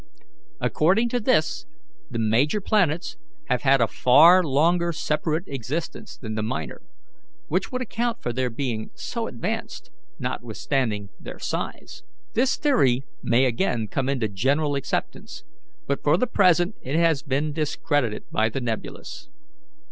According to this, the major planets have had a far longer separate existence than the minor, which would account for their being so advanced notwithstanding their size. This theory may again come into general acceptance, but for the present it has been discredited by the nebulous.